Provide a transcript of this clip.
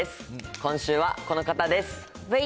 今週はこの方です。